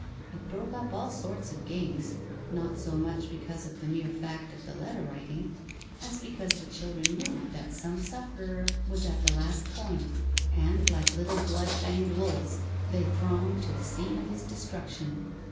It broke up all sorts of games, not so much because of the mere fact of the letter writing, as because the children knew that some sufferer was at the last point, and, like little blood fanged wolves, they thronged to the scene of his destruction.